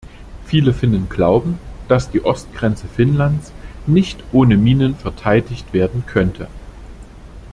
Viele Finnen glauben, dass die Ostgrenze Finnlands nicht ohne Minen verteidigt werden könnte.